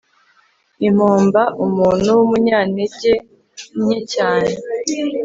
impomba umuntu w'umunyantege nke cyane